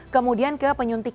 kemudian ke penyuntik